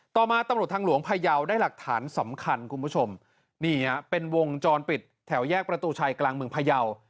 ต่อมาตำรวจทางหลวงพยาวได้หลักฐานสำคัญคุณผู้ชมนี่ฮะเป็นวงจรปิดแถวแยกประตูชัยกลางเมืองพยาว